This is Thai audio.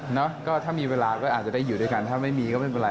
เนาะก็ถ้ามีเวลาก็อาจจะได้อยู่ด้วยกันถ้าไม่มีก็ไม่เป็นไร